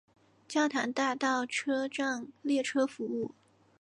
教堂大道车站列车服务。